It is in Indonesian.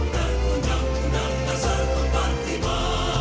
dan undang undang dasar kompartima